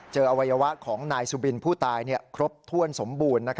อวัยวะของนายสุบินผู้ตายครบถ้วนสมบูรณ์